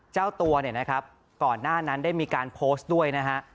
เจ้าตัวเนี่ยนะครับก่อนหน้านั้นได้มีการโพสต์ด้วยนะฮะ